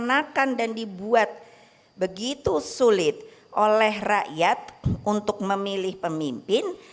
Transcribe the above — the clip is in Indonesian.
dikenakan dan dibuat begitu sulit oleh rakyat untuk memilih pemimpin